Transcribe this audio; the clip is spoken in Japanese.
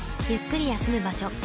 ゆっくり休む場所